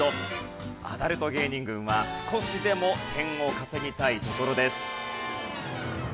アダルト芸人軍は少しでも点を稼ぎたいところです。